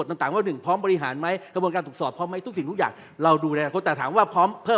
แต่๕๐นั้นตอบไม่ได้นะครับคุณอาหาร